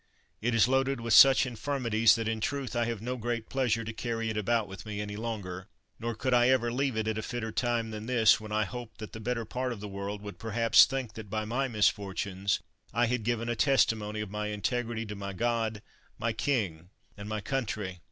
It is loaded with such infirmities that in truth I have no great pleasure to carry it about with me any longer Nor could I ever leave it at a fitter time than this when I hope that the better part of the world would perhaps think that by my misf or tunes I had given a testimony of my integrity to my God, my king, and my country.